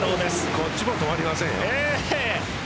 こっちも止まりませんよ。